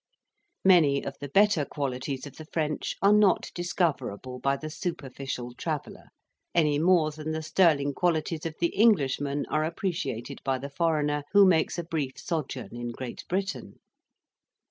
Many of the better qualities of the French are not discoverable by the superficial traveller, any more than the sterling qualities of the Englishman are appreciated by the foreigner who makes a brief sojourn in Great Britain.